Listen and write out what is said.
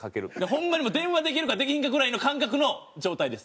ホンマに電話できるかできひんかぐらいの感覚の状態です。